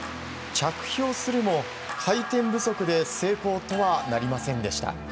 着氷するも回転不足で成功とはなりませんでした。